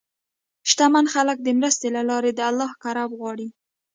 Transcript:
شتمن خلک د مرستې له لارې د الله قرب غواړي.